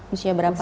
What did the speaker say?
usia berapa ya